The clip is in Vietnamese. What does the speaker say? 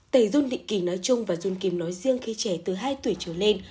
tẩy dung định kỳ nói chung và dung kim nói riêng khi trẻ từ hai tuổi trở lên